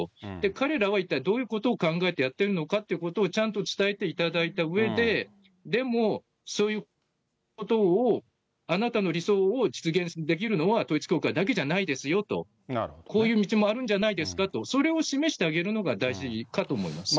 彼らは一体どういうことを考えてやっているのかっていうことを、ちゃんと伝えていただいたうえで、でも、そういうことをあなたの理想を実現できるのは統一教会だけじゃないですよと、こういう道もあるんじゃないですかと、それを示してあげるのが大事かと思います。